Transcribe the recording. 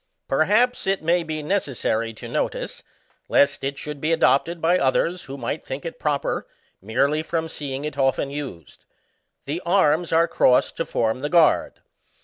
Perhaps it may be necessary to notice, lest it should be adopted by others who might think it proper merely from seeing it often used. The arms are crossed to form the guard.